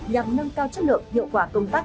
nhằm nâng cao chất lượng hiệu quả công tác